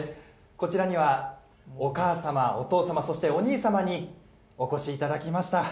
こちらにはお母様、お父様そしてお兄様にお越しいただきました